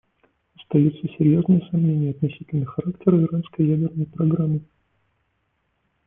Остаются серьезные сомнения относительно характера иранской ядерной программы.